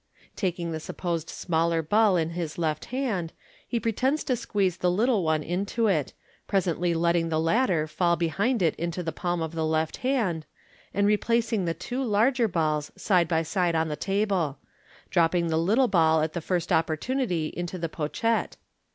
Taking the supposed smaller ball in the left hand, he pretends to squeeze the little one into it, presently letting the latter fall behind it into the palm of the left hand, and replacing the two larger balls side by side on the table, dropping the little ball at the first opportunity into the pochette.